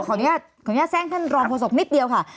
ทีนี้ขอแสรงท่านรองโภสกนิดเดียวค่ะ